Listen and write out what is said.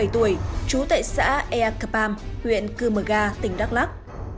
hai mươi bảy tuổi chú tại xã eakapam huyện cư mờ ga tỉnh đắk lắc